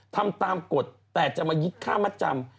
ทำตามกฎแต่จะมายึดค่ามัดจำ